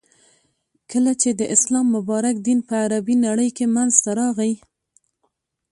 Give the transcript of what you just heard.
،کله چی د اسلام مبارک دین په عربی نړی کی منځته راغی.